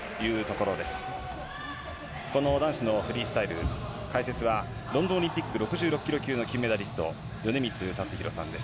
この男子のフリースタイル、解説は、ロンドンオリンピック６６キロ級の金メダリスト、米満達弘さんです。